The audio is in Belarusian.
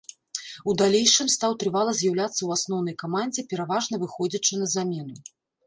У далейшым стаў трывала з'яўляцца ў асноўнай камандзе, пераважна выходзячы на замену.